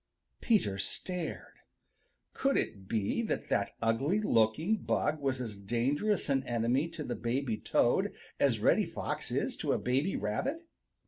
Peter stared. Could it be that that ugly looking bug was as dangerous an enemy to the baby Toad as Reddy Fox is to a baby Rabbit?